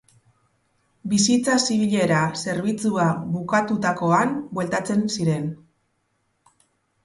Bizitza zibilera zerbitzua bukatutakoan bueltatzen ziren.